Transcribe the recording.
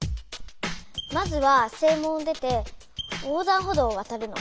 まずは正門を出て横断歩道をわたるの。